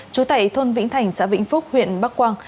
chủ tệ thôn vĩnh thành xã vĩnh phúc huyện bắc quang